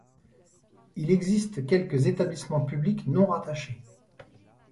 Il existe quelques établissements publics non rattachés.